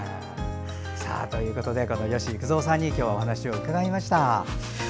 吉幾三さんに今日は、お話を伺いました。